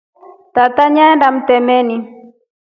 Tata nyaenda mtemani.